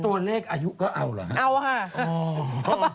ตัวเลขอายุก็เอาเหรอฮะเอาค่ะ